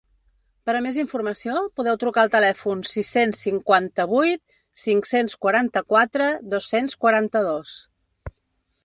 Per a més informació, podeu trucar al telèfon sis-cents cinquanta-vuit cinc-cents quaranta-quatre dos-cents quaranta-dos.